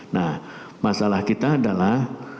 nah masalah kita adalah